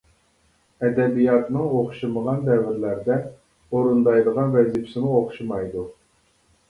ئەدەبىياتنىڭ ئوخشىمىغان دەۋرلەردە ئورۇندايدىغان ۋەزىپىسىمۇ ئوخشىمايدۇ.